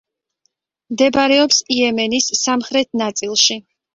მდებარეობს იემენის სამხრეთ ნაწილში.